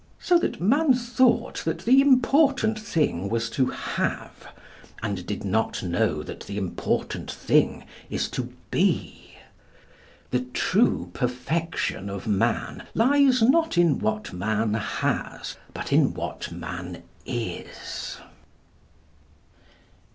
So that man thought that the important thing was to have, and did not know that the important thing is to be. The true perfection of man lies, not in what man has, but in what man is.